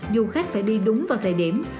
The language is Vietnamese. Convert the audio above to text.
du khách phải đi đúng vào thời điểm